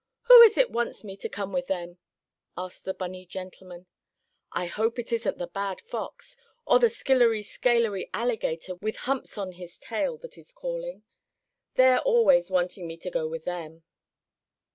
Who is it wants me to come with them?" asked the bunny gentleman. "I hope it isn't the bad fox, or the skillery scalery alligator with humps on his tail that is calling. They're always wanting me to go with them."